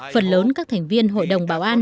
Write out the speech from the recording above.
phần lớn các thành viên hội đồng bảo an